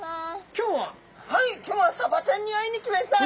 今日はサバちゃんに会いに来ました。